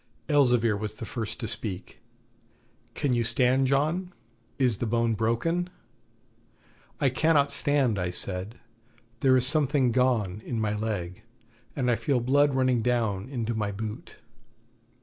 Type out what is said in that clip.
Elzevir was the first to speak: 'Can you stand, John? Is the bone broken?' 'I cannot stand,' I said; 'there is something gone in my leg, and I feel blood running down into my boot.'